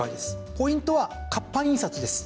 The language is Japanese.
ポイントは活版印刷です。